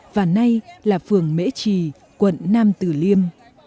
và nay là phường mễ trì quận nam tử liêm